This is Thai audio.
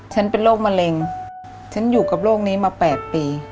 ฉันเป็นโรคมะเร็งฉันอยู่กับโรคนี้มา๘ปี